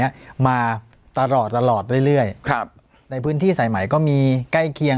เนี้ยมาตลอดตลอดเรื่อยเรื่อยครับในพื้นที่สายใหม่ก็มีใกล้เคียง